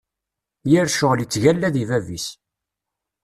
Yir ccɣel ittgalla di bab-is.